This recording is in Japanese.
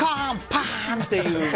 パーン！っていう。